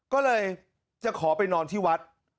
ก็เลยจะขอไปนอนที่วัด